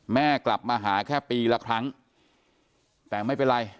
แม่กลับมาหาแค่ปีละครั้งแต่ไม่เป็นไร